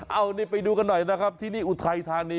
เอานี่ไปดูกันหน่อยนะครับที่นี่อุทัยธานี